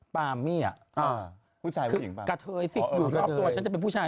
ปามมี่อ่ะคือกะเทยสิอยู่รอบตัวฉันจะเป็นผู้ชาย